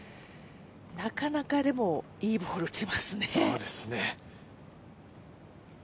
なかなか、いいボールを打ちますね。